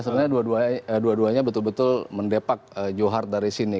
sebenarnya dua duanya betul betul mendepak johar dari sini